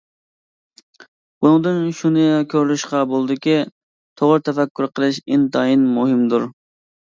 بۇنىڭدىن شۇنى كۆرۈۋېلىشقا بولىدۇكى، توغرا تەپەككۇر قىلىش ئىنتايىن مۇھىمدۇر.